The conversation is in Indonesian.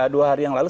dua hari yang lalu